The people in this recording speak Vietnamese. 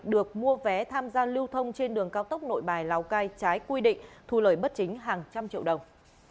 được mua vé tham gia lưu thông trên đường cao tốc nội bài lào cai trái quy định thu lời bất chính hàng trăm triệu đồng